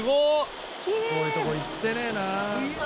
こういうとこ行ってねえな。